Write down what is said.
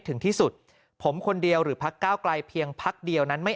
ถึงที่สุดผมคนเดียวหรือพักก้าวไกลเพียงพักเดียวนั้นไม่